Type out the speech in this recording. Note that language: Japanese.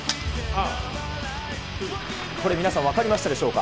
これ皆さん、分かりましたでしょうか。